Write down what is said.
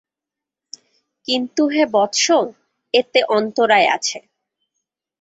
কিন্তু হে বৎস, এতে অন্তরায় আছে।